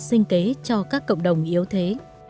sinh kế cho các cộng đồng yếu thế